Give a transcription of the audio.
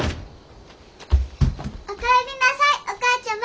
お帰りなさいお母ちゃま！